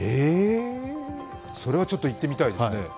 それはちょっと行ってみたいですね。